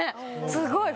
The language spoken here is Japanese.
すごい！